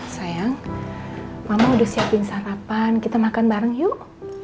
sayang mama udah siapin sarapan kita makan bareng yuk